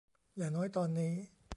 อย่างน้อยตอนนี้